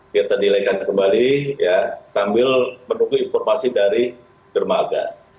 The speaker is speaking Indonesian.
kita delaykan kembali sambil menunggu informasi dari dermaga